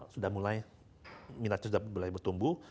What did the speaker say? sudah mulai minatnya sudah mulai bertumbuh